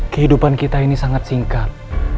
kehidupan kita ini sangat singkat